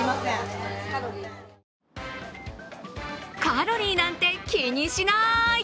カロリーなんて気にしない！